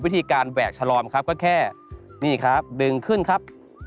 วิธีการแหวกฉลอมครับก็แค่นี่ครับดึงขึ้นครับ